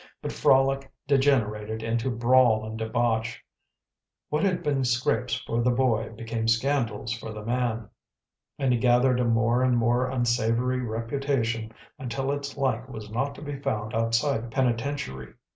But frolic degenerated into brawl and debauch: what had been scrapes for the boy became scandals for the man; and he gathered a more and more unsavoury reputation until its like was not to be found outside a penitentiary.